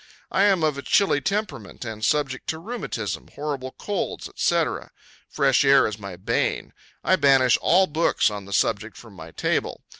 I am of a chilly temperament, and subject to rheumatism, horrible colds, &c. Fresh air is my bane. I banish all books on the subject from my table.